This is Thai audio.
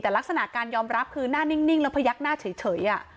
แต่ลักษณะการยอมรับคือหน้านิ่งแล้วพยักหน้าเฉย